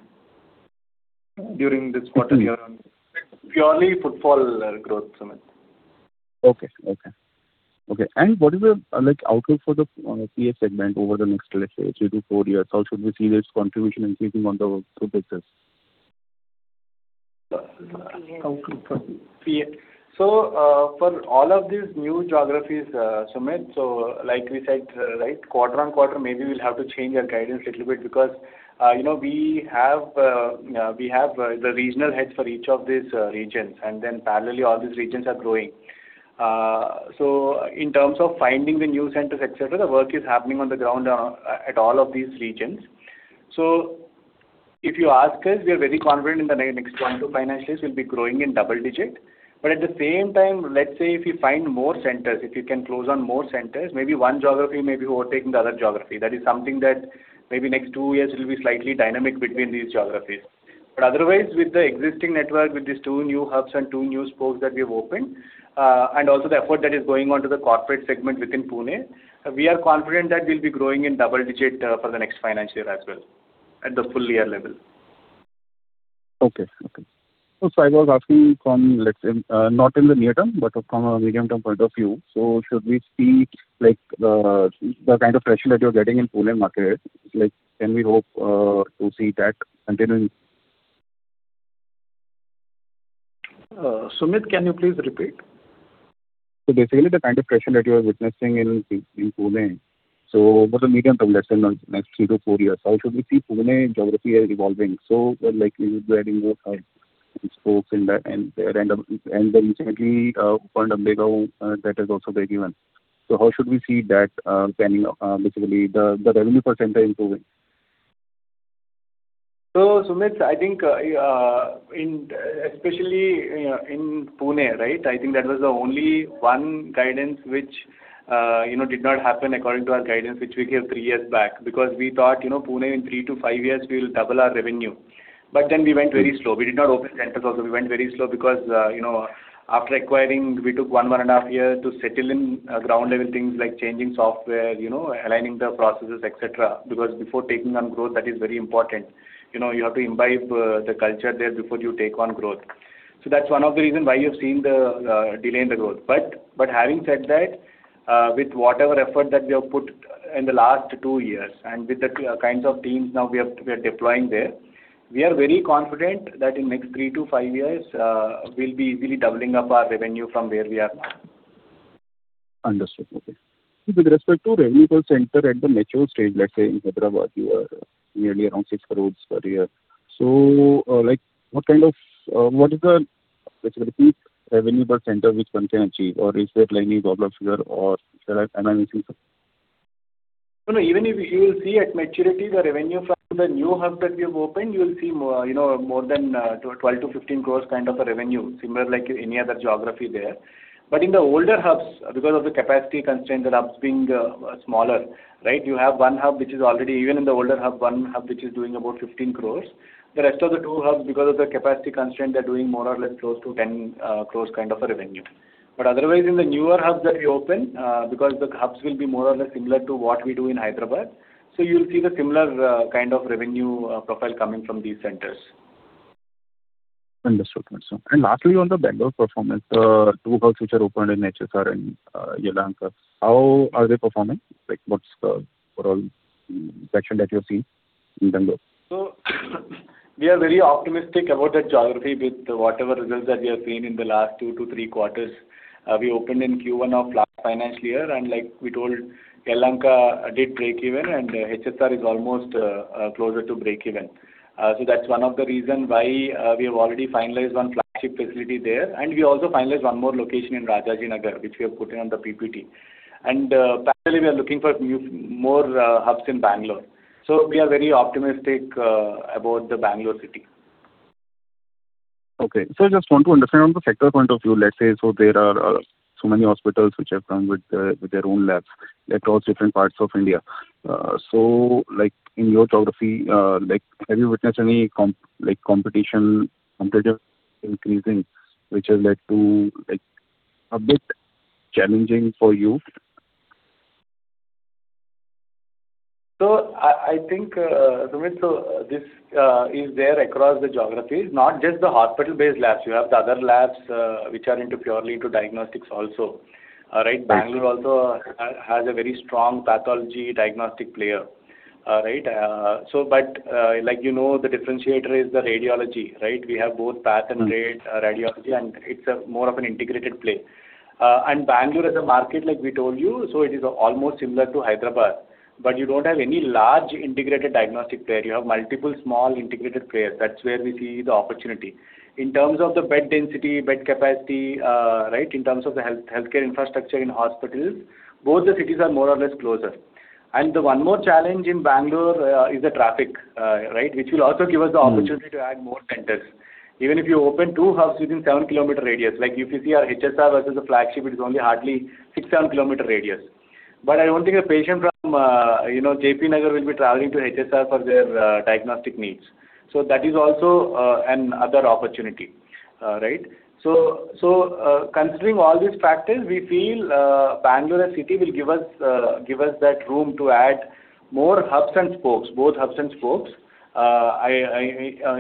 during this quarter, year-on-year. Purely footfall growth, Sumit. Okay. What is the, like, outlook for the PH segment over the next, let's say, three to four years? How should we see this contribution increasing on the group basis? For all of these new geographies, Sumit, like we said, right, quarter on quarter, maybe we'll have to change our guidance little bit because, you know, we have the regional heads for each of these regions, and then, parallelly, all these regions are growing. In terms of finding the new centers, et cetera, the work is happening on the ground at all of these regions. If you ask us, we are very confident in the next one, two financial years we'll be growing in double digit. At the same time, let's say if you find more centers, if you can close on more centers, maybe one geography may be overtaking the other geography. That is something that maybe next two years will be slightly dynamic between these geographies. Otherwise, with the existing network, with these two new hubs and two new spokes that we have opened, and also the effort that is going on to the corporate segment within Pune, we are confident that we'll be growing in double digit for the next financial year as well at the full year level. Okay. I was asking from, let's say, not in the near term, but from a medium-term point of view. Should we see, like, the kind of pressure that you're getting in Pune market, like, can we hope to see that continuing? Sumit, can you please repeat? Basically, the kind of pressure that you are witnessing in Pune. Over the medium term, let's say next three to four years, how should we see Pune geography evolving? You would be adding more hubs and spokes recently opened up Bangalore, that has also break-even. How should we see that planning, basically, the revenue per center improving? Sumit, I think, especially in Pune, right? I think that was the only one guidance which, you know, did not happen according to our guidance, which we gave three years back. We thought, you know, Pune in three to five years, we will double our revenue. We went very slow. We did not open centers also. We went very slow because, you know, after acquiring, we took one and a half years to settle in, ground-level things like changing software, you know, aligning the processes, etc. Before taking on growth, that is very important. You know, you have to imbibe the culture there before you take on growth. That's one of the reason why you've seen the delay in the growth. Having said that, with whatever effort that we have put in the last two years and with the kinds of teams now we are deploying there, we are very confident that in next three to five years, we'll be easily doubling up our revenue from where we are now. Understood. Okay. With respect to revenue per center at the mature stage, let's say in Hyderabad, you are nearly around 6 crores per year. Like what is the, let's say, repeat revenue per center which one can achieve? Or is there like any global figure, or am I missing something? No, no, even if you will see at maturity the revenue from the new hub that we have opened, you will see more, you know, more than 12 crore-15 crore kind of a revenue, similar like any other geography there. In the older hubs, because of the capacity constraint, the hubs being smaller, right? You have one hub which is already even in the older hub, one hub, which is doing about 15 crore. The rest of the two hubs, because of the capacity constraint, they're doing more or less close to 10 crore kind of a revenue. Otherwise, in the newer hubs that we open, because the hubs will be more or less similar to what we do in Hyderabad, you'll see the similar kind of revenue profile coming from these centers. Understood. Lastly, on the Bangalore performance, two hubs which are opened in HSR and Yelahanka, how are they performing? Like, what's the overall traction that you're seeing in Bangalore? We are very optimistic about that geography with whatever results that we have seen in the last two to three quarters. We opened in Q1 of last financial year, and like we told Yelahanka did break even and HSR is almost closer to break even. That's one of the reason why we have already finalized one flagship facility there. We also finalized one more location in Rajajinagar, which we have put on the PPT. Parallelly we are looking for new, more hubs in Bangalore. We are very optimistic about the Bangalore city. Okay. I just want to understand from the sector point of view, let's say, there are so many hospitals which have come with their own labs like across different parts of India. Like in your geography, like have you witnessed any like competition increasing, which has led to like a bit challenging for you? I think, Sumit, this is there across the geographies, not just the hospital-based labs. You have the other labs, which are into purely into diagnostics also. Right. Right. Bangalore also has a very strong pathology diagnostic player. Right. Like, you know, the differentiator is the radiology, right? We have both path and rad, radiology, and it's a more of an integrated play. Bangalore, as a market, like we told you, it is almost similar to Hyderabad, but you don't have any large integrated diagnostic player. You have multiple small integrated players. That's where we see the opportunity. In terms of the bed density, bed capacity, right, in terms of the healthcare infrastructure in hospitals, both the cities are more or less closer. The one more challenge in Bangalore is the traffic, right, which will also give us the opportunity to add more centers. Even if you open two hubs within 7 km radius, like if you see our HSR versus the flagship, it is only hardly 6, 7 km radius. I don't think a patient from, you know, JP Nagar will be traveling to HSR for their diagnostic needs. That is also another opportunity. Right. Considering all these factors, we feel Bangalore city will give us, give us that room to add more hubs and spokes, both hubs and spokes. I,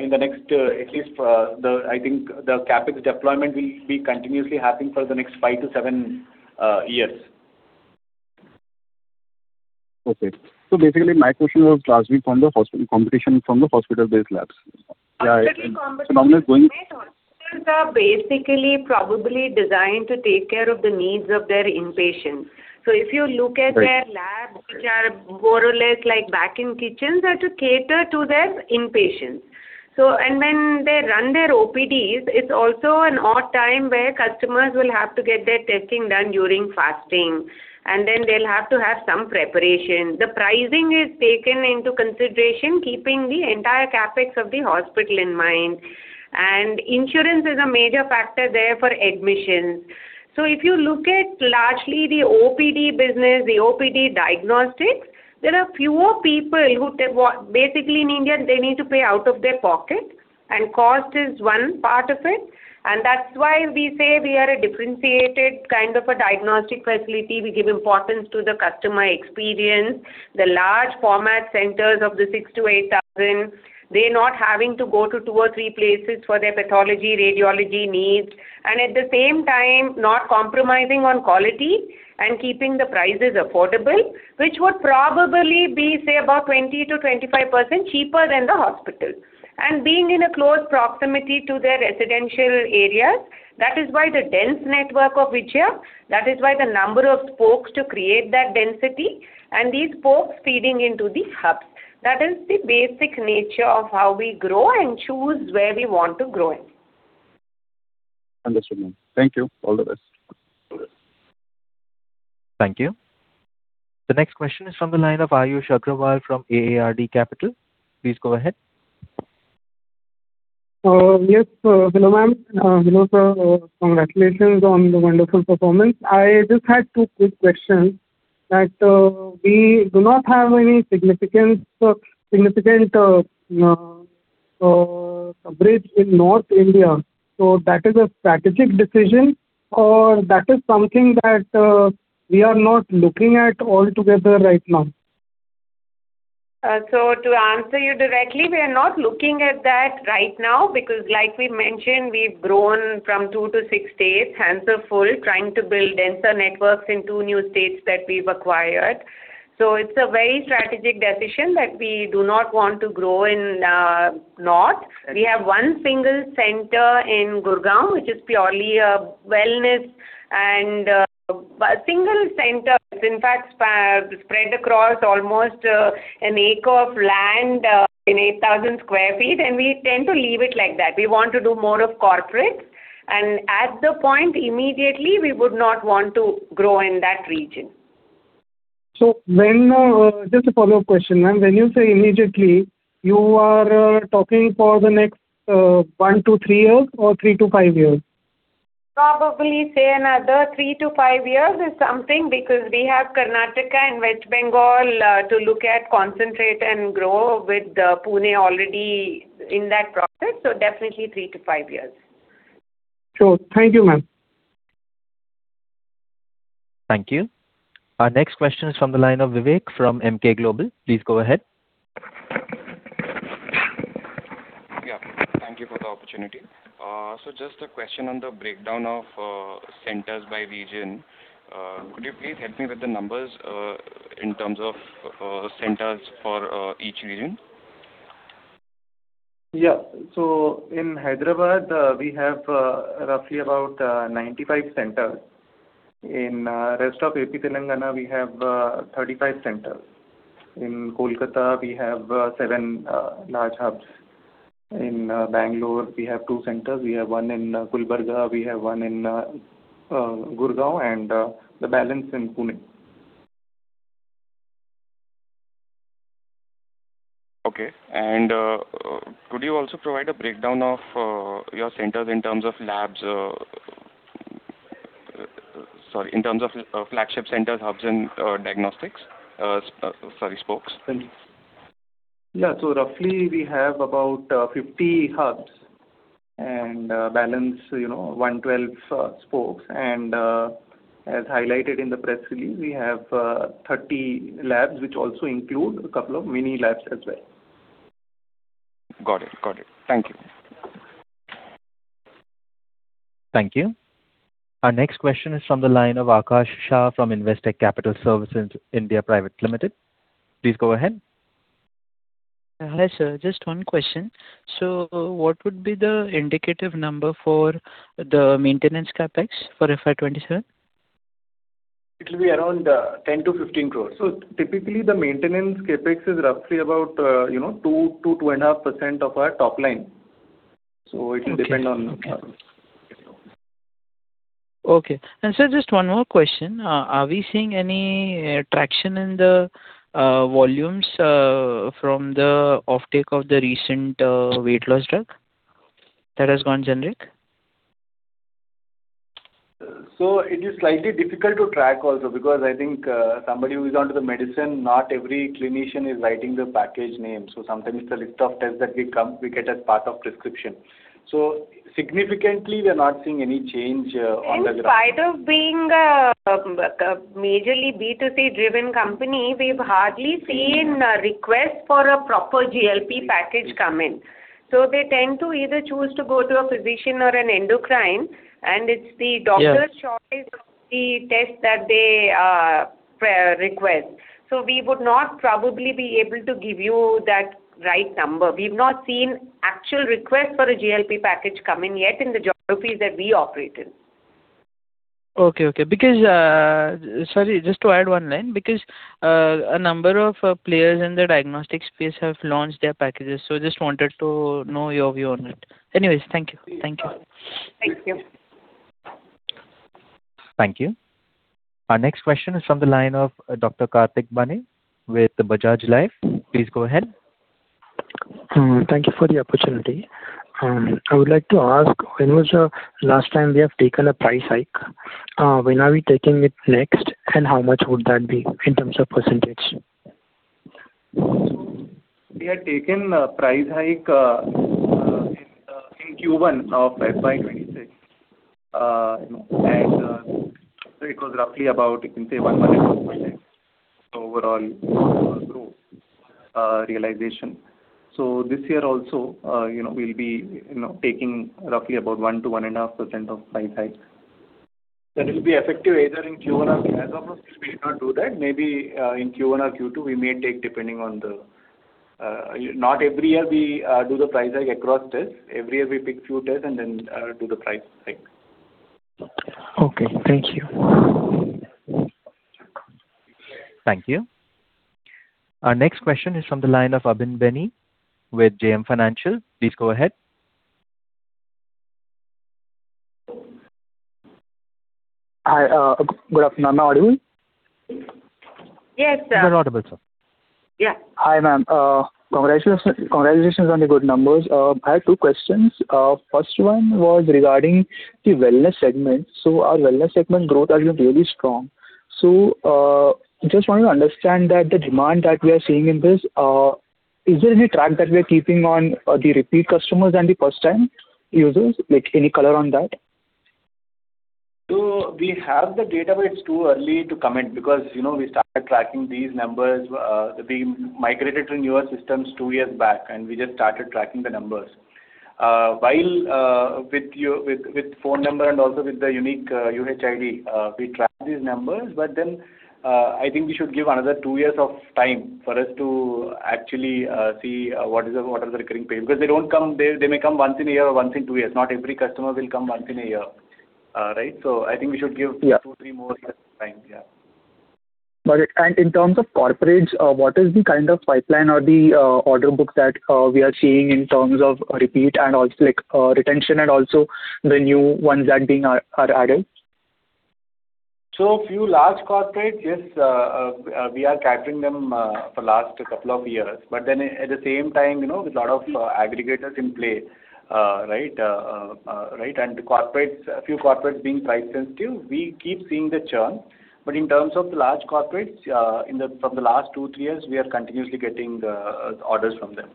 in the next, at least, I think the CapEx deployment will be continuously happening for the next five to seven years. Okay. Basically, my question was lastly competition from the hospital-based labs. Absolutely. Now we're going- Hospitals are basically probably designed to take care of the needs of their inpatients. If you look at their labs, which are more or less like back in kitchens are to cater to their inpatients. When they run their OPDs, it's also an odd time where customers will have to get their testing done during fasting, and then they'll have to have some preparation. The pricing is taken into consideration, keeping the entire CapEx of the hospital in mind. Insurance is a major factor there for admissions. If you look at largely the OPD business, the OPD diagnostics, there are fewer people who. Basically, in India, they need to pay out of their pocket, and cost is one part of it. That's why we say we are a differentiated kind of a diagnostic facility. We give importance to the customer experience. The large format centers of the 6,000-8,000, they're not having to go to two or three places for their pathology, radiology needs, and at the same time not compromising on quality and keeping the prices affordable, which would probably be, say, about 20%-25% cheaper than the hospital. Being in a close proximity to their residential areas. That is why the dense network of Vijaya. That is why the number of spokes to create that density, and these spokes feeding into the hubs. That is the basic nature of how we grow and choose where we want to grow in. Understood, ma'am. Thank you. All the best. Thank you. The next question is from the line of Ayush Agrawal from AARD Capital. Please go ahead. Yes. Hello, ma'am. Hello, sir. Congratulations on the wonderful performance. I just had two quick questions. That we do not have any significant coverage in North India, so that is a strategic decision or that is something that we are not looking at altogether right now? To answer you directly, we are not looking at that right now because like we mentioned, we've grown from two to six states hands are full trying to build denser networks in two new states that we've acquired. It's a very strategic decision that we do not want to grow in North. We have one single center in Gurgaon, which is purely a wellness and a single center is in fact spread across almost an acre of land in 8,000 sq ft, and we tend to leave it like that. We want to do more of corporate, and at the point immediately we would not want to grow in that region. Just a follow-up question, ma'am. When you say immediately, you are talking for the next one to three years or three to five years? Probably say another three to five years or something, because we have Karnataka and West Bengal to look at, concentrate and grow with, Pune already in that process. Definitely three to five years. Sure. Thank you, ma'am. Thank you. Our next question is from the line of [Vivek] from Emkay Global. Please go ahead. Yeah. Thank you for the opportunity. Just a question on the breakdown of centers by region. Could you please help me with the numbers in terms of centers for each region? In Hyderabad, we have roughly about 95 centers. In rest of AP Telangana, we have 35 centers. In Kolkata, we have seven large hubs. In Bangalore, we have two centers. We have one in Gulbarga. We have one in Gurgaon and the balance in Pune. Okay. Could you also provide a breakdown of your centers in terms of labs? Sorry, in terms of flagship centers, hubs and diagnostics. Sorry, spokes? Yeah. Roughly, we have about 50 hubs and balance, you know, 112 spokes. As highlighted in the press release, we have 30 labs, which also include a couple of mini labs as well. Got it. Thank you. Thank you. Our next question is from the line of Akash Shah from Investec Capital Services (India) Private Limited. Please go ahead. Hi, sir. Just one question. What would be the indicative number for the maintenance CapEx for FY 2027? It'll be around 10 crores-15 crores. Typically, the maintenance CapEx is roughly about, you know, 2%-2.5% of our top line. Okay. Sir, just one more question. Are we seeing any traction in the volumes from the offtake of the recent weight loss drug that has gone generic? It is slightly difficult to track also because I think somebody who is onto the medicine, not every clinician, is writing the package name. Sometimes it's a list of tests that we get as part of prescription. Significantly, we are not seeing any change on the ground. In spite of being a majorly B2C-driven company, we've hardly seen a request for a proper GLP package come in. They tend to either choose to go to a physician or an endocrine, and it's the doctor's choice of the test that they request. We would not probably be able to give you that right number. We've not seen actual request for a GLP package come in yet in the geographies that we operate in. Okay. Sorry, just to add one line. A number of players in the diagnostic space have launched their packages. Just wanted to know your view on it. Thank you. Thank you. Thank you. Our next question is from the line of Dr. Kartick Bane with Bajaj Life. Please go ahead. Thank you for the opportunity. I would like to ask, when was the last time we have taken a price hike? When are we taking it next, and how much would that be in terms of percentage? We had taken a price hike in Q1 of FY 2026. And it was roughly about, you can say, 1.2% overall growth realization. This year also, you know, we'll be, you know, taking roughly about 1%-1.5% of price hike. That will be effective either in Q1. As of now, we may not do that. Maybe, in Q1 or Q2, we may take depending on the. Not every year we do the price hike across tests. Every year, we pick few tests and then do the price hike. Okay. Thank you. Thank you. Our next question is from the line of Abin Benny with JM Financial. Please go ahead. Hi. Good afternoon. Am I audible? Yes, sir. You are audible, sir. Yeah. Hi, ma'am. Congratulations on the good numbers. I have two questions. First one was regarding the wellness segment. Our wellness segment growth has been really strong. Just wanted to understand that the demand that we are seeing in this, is there any track that we are keeping on the repeat customers and the first-time users? Like, any color on that? We have the data, but it's too early to comment because, you know, we started tracking these numbers, we migrated to newer systems two years back, and we just started tracking the numbers. While with your, with phone number and also with the unique UHID, we track these numbers, I think we should give another two years of time for us to actually see what is the recurring pay. They don't come. They may come once in a year or once in two years. Not every customer will come once in a year. Right? Yeah. So, I think we should give two, three more years time. Yeah. In terms of corporate, what is the kind of pipeline or the order book that we are seeing in terms of repeat and also like, retention and also the new ones that being are added? Few large corporate, yes, we are capturing them for last two years. At the same time, you know, with lot of aggregators in play, right, and the corporates, few corporates being price-sensitive, we keep seeing the churn. In terms of the large corporates, in the, from the last two, three years, we are continuously getting the orders from them.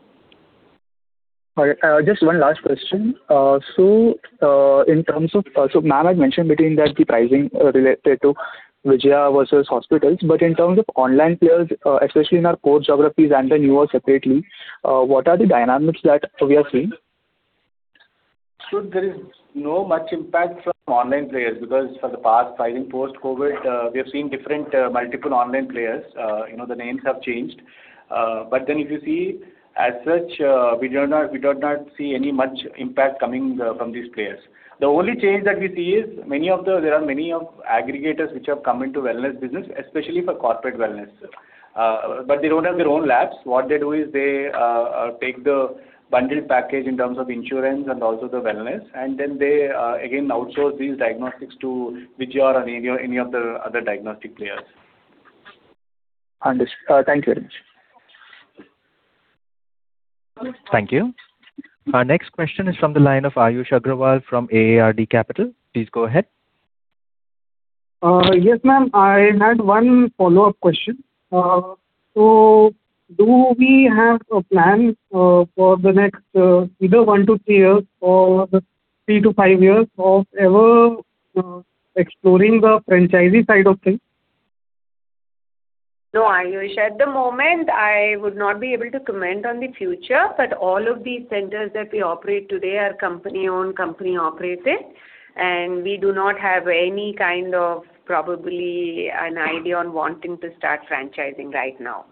All right. Just one last question. In terms of, ma'am had mentioned between that the pricing related to Vijaya versus hospitals, but in terms of online players, especially in our core geographies and the newer separately, what are the dynamics that we are seeing? There is no much impact from online players because for the past, I think post-COVID, we have seen different, multiple online players. You know, the names have changed. If you see, as such, we do not see any much impact coming from these players. The only change that we see is there are many aggregators which have come into wellness business, especially for corporate wellness. They don't have their own labs. What they do is they take the bundled package in terms of insurance and also the wellness, and then they again outsource these diagnostics to Vijaya or any of the other diagnostic players. Understood. Thank you very much. Thank you. Our next question is from the line of Ayush Agrawal from AARD Capital. Please go ahead. Yes, ma'am. I had one follow-up question. Do we have a plan for the next either one to three years or three to five years of ever exploring the franchisee side of things? No, Ayush. At the moment, I would not be able to comment on the future, but all of these centers that we operate today are company-owned, company-operated, and we do not have any kind of probably an idea on wanting to start franchising right now.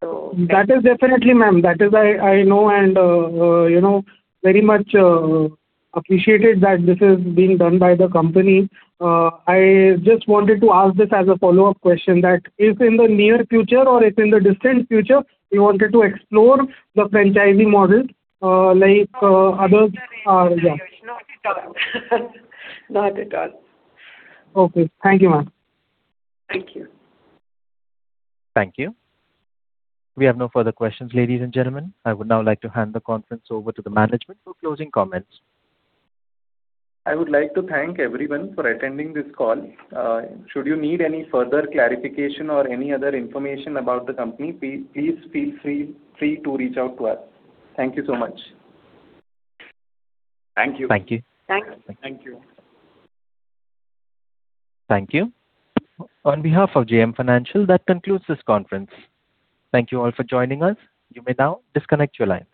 That is definitely, ma'am. That is, I know and you know, very much appreciated that this is being done by the company. I just wanted to ask this as a follow-up question that if in the near future or if in the distant future you wanted to explore the franchising model, like others. No intention, Ayush. Not at all. Not at all. Okay. Thank you, ma'am. Thank you. Thank you. We have no further questions, ladies and gentlemen. I would now like to hand the conference over to the management for closing comments. I would like to thank everyone for attending this call. Should you need any further clarification or any other information about the company, please feel free to reach out to us. Thank you so much. Thank you. Thanks. Thank you. Thank you. On behalf of JM Financial, that concludes this conference. Thank you all for joining us. You may now disconnect your lines.